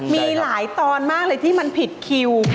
มีหลายตอนบ้างที่ผิดคิว